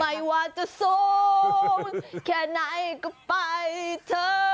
ไม่ว่าจะสูงแค่ไหนก็ไปเถอะ